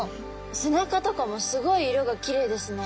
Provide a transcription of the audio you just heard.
背中とかもすごい色がきれいですね。